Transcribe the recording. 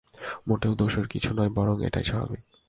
মোটেই দোষের কিছু নয়, বরং এটাই স্বাভাবিক।